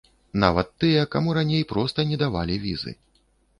Нават тыя, каму раней проста не давалі візы.